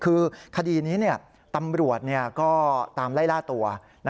คือคดีนี้ตำรวจก็ตามไล่ล่าตัว